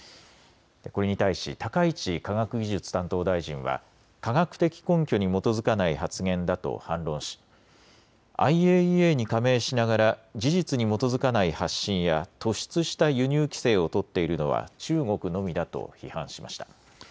これに対し高市科学技術担当大臣は科学的根拠に基づかない発言だと反論しＩＡＥＡに加盟しながら事実に基づかない発信や突出した輸入規制を取っているのは中国のみだと批判しました。